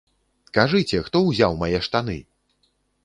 Кажыце, хто ўзяў мае штаны?